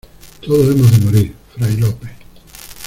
¡ todos hemos de morir, Fray Lope!...